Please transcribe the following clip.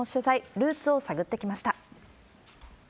ルーツを探ってきました。